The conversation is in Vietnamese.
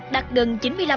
đạt gần chín mươi năm